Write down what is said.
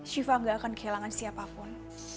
syifa gak akan kehilangan siapapun